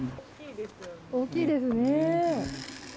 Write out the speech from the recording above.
大きいですね。